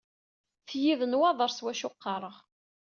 Tiyi d nnwaḍer s wacu qqareɣ.